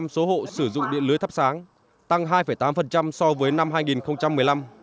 chín mươi sáu bảy số hộ sử dụng điện lưới thắp sáng tăng hai tám so với năm hai nghìn một mươi năm